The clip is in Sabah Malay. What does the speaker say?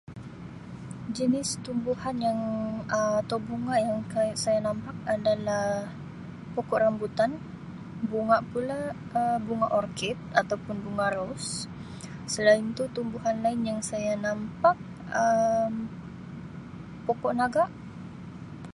Jenis tumbuhan yang Um atau bunga yang kai-saya nampak adalah pokok rambutan, bunga pula Um bunga orkid atau pun bunga ros selain tu tumbuhan lain yang saya nampak Um pokok naga.